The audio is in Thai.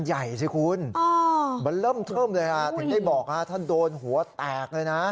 ใหญ่สิคุณมันเริ่มเทิมเลยฮะถึงได้บอกท่านโดนหัวแตกเลยนะ